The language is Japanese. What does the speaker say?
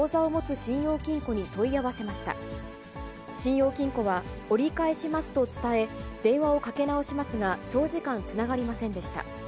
信用金庫は、折り返しますと伝え、電話をかけ直しますが、長時間つながりませんでした。